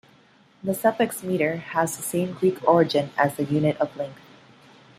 The suffix "-meter" has the same Greek origin as the unit of length.